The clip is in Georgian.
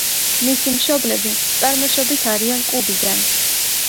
მისი მშობლები წარმოშობით არიან კუბიდან.